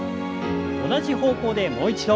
同じ方向でもう一度。